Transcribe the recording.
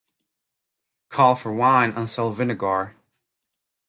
Call for wine and sell vinegar.